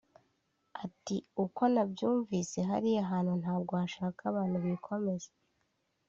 ati “Uko nabyumvise hariya hantu ntabwo hashaka abantu bikomeza